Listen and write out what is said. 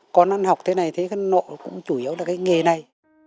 con ăn học thế này thế cái nội cũng chủ yếu là cái nghề này